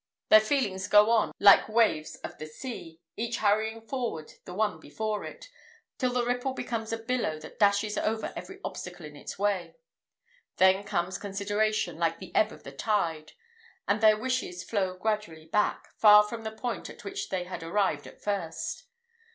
Their feelings go on like the waves of the sea, each hurrying forward the one before it, till the ripple becomes a billow that dashes over every obstacle in its way. Then comes consideration, like the ebb of the tide, and their wishes flow gradually back, far from the point at which they had arrived at first.